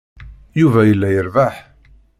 Yuba yella irebbeḥ.